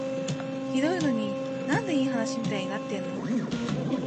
ひどいのに、なんでいい話みたいになってんの？